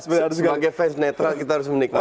sebagai fans netral kita harus menikmati